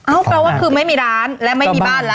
แปลว่าคือไม่มีร้านและไม่มีบ้านแล้ว